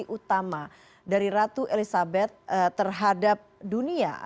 yang utama dari ratu elizabeth terhadap dunia